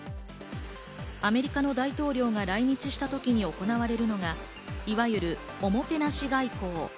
アメリカの大統領が来日した時に行われるのがいわゆる、おもてなし外交。